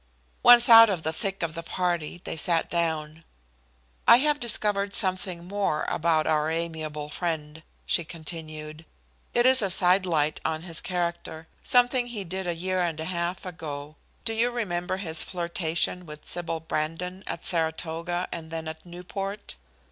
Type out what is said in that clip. Once out of the thick of the party, they sat down. "I have discovered something more about our amiable friend," she continued. "It is a side light on his character something he did a year and a half ago. Do you remember his flirtation with Sybil Brandon at Saratoga and then at Newport?"